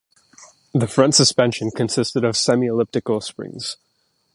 The front suspension consisted of semi-elliptical springs.